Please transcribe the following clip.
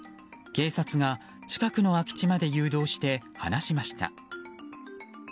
警察が近くの空き地まで誘導して放しました。